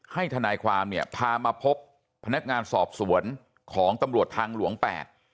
ทนายความเนี่ยพามาพบพนักงานสอบสวนของตำรวจทางหลวงแปด